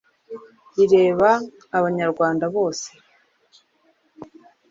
rireba abanyarwanda bose